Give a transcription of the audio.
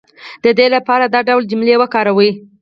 د دې لپاره دا ډول جملې وکاروئ